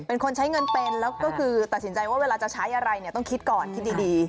เป็นคนใช้เงินเป็นแล้วก็คือตัดสินใจว่าเวลาจะใช้อะไรเนี่ยต้องคิดก่อนคิดดี